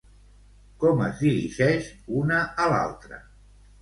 Com es dirigeix una a l'altra?